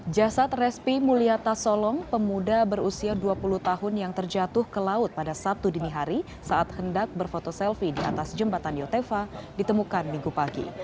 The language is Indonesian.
jasad respi mulyata solong pemuda berusia dua puluh tahun yang terjatuh ke laut pada sabtu dini hari saat hendak berfoto selfie di atas jembatan yotefa ditemukan minggu pagi